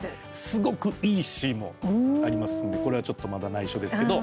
すごくいいシーンもありますんでこれはちょっとまだ、ないしょですけど。